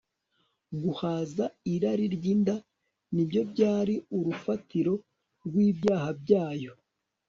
Guhaza irari ryinda ni byo byari urufatiro rwibyaha byayo